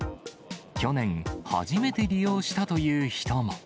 去年、初めて利用したという人も。